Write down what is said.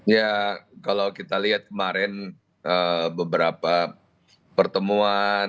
ya kalau kita lihat kemarin beberapa pertemuan